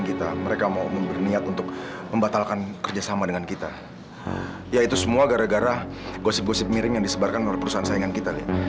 ya itu semua gara gara gosip gosip miring yang disebarkan oleh perusahaan saingan kita